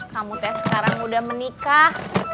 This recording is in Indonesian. kamu tes sekarang udah menikah